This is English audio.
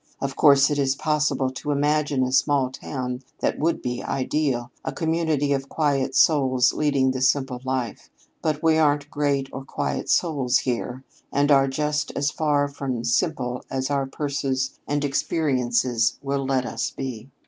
Of course it is possible to imagine a small town that would be ideal a community of quiet souls leading the simple life. But we aren't great or quiet souls here, and are just as far from simple as our purses and experience will let us be.